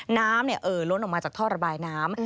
น้ำเนี่ยเออลดออกมาจากท่อระบายน้ำ